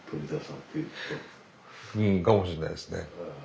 かもしれないですね。